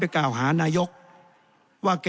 แสดงว่าความทุกข์มันไม่ได้ทุกข์เฉพาะชาวบ้านด้วยนะ